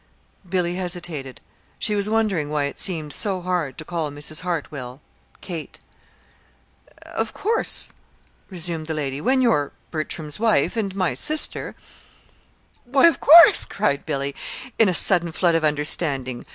Billy hesitated. She was wondering why it seemed so hard to call Mrs. Hartwell "Kate." "Of course," resumed the lady, "when you're Bertram's wife and my sister " "Why, of course," cried Billy, in a sudden flood of understanding.